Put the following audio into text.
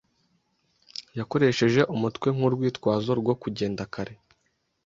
Yakoresheje umutwe nkurwitwazo rwo kugenda kare.